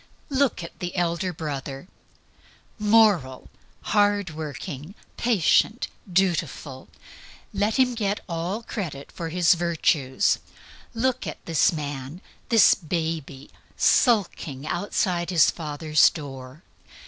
Look at the Elder Brother moral, hard working, patient, dutiful let him get all credit for his virtues look at this man, this baby, sulking outside his own father's door.